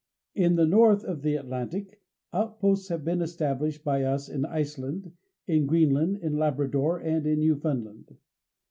In the North of the Atlantic, outposts have been established by us in Iceland, in Greenland, in Labrador and in Newfoundland.